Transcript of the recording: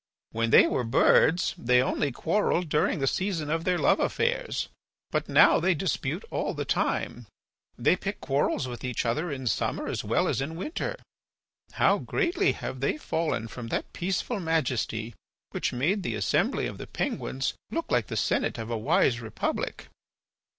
When they were birds they only quarrelled during the season of their love affairs. But now they dispute all the time; they pick quarrels with each other in summer as well as in winter. How greatly have they fallen from that peaceful majesty which made the assembly of the penguins look like the Senate of a wise republic!